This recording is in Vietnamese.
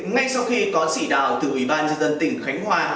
ngay sau khi có xỉ đào từ ủy ban nhân dân tỉnh khánh hoa